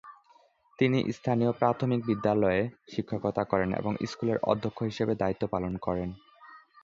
তিনি স্থানীয় প্রাথমিক বিদ্যালয়ে শিক্ষকতা করেন এবং স্কুলের অধ্যক্ষ হিসেবে দায়িত্ব পালন করেন।